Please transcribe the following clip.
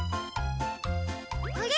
あれ？